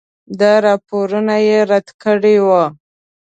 دا راپورونه یې رد کړي وو.